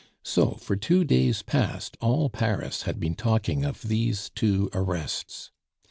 So for two days past all Paris had been talking of these two arrests.